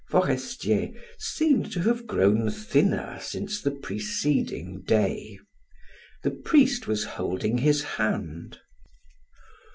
Forestier seemed to have grown thinner since the preceding day. The priest was holding his hand.